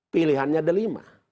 pilihannya ada lima